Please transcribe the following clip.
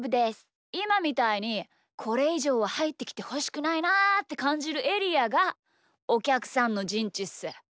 いまみたいにこれいじょうははいってきてほしくないなってかんじるエリアがおきゃくさんのじんちっす。